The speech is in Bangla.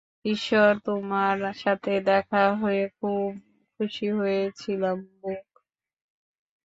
ঈশ্বর, তোমার সাথে দেখা হয়ে খুব খুশি হয়েছিলাম, ব্যুক!